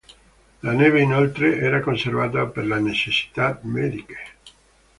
La neve, inoltre, era conservata per le necessità mediche.